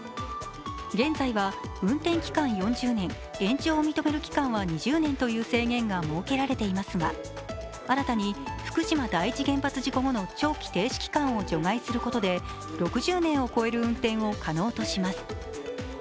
現在は運転期間４０年、延長を認める期間は２０年という制限が設けられていますが、新たに福島第一原発事故後の長期停止期間を除外することで６０年を超える運転を可能とします。